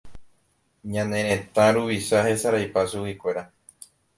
Ñane retã ruvicha hesaraipa chuguikuéra.